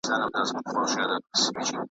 نیلی مړ سو دښمن مات سو تښتېدلی .